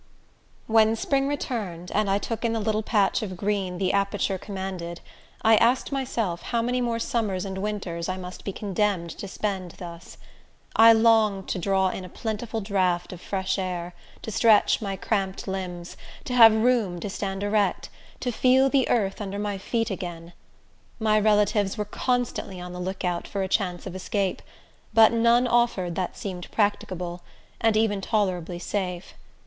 When spring returned, and I took in the little patch of green the aperture commanded, I asked myself how many more summers and winters I must be condemned to spend thus. I longed to draw in a plentiful draught of fresh air, to stretch my cramped limbs, to have room to stand erect, to feel the earth under my feet again. My relatives were constantly on the lookout for a chance of escape; but none offered that seemed practicable, and even tolerably safe.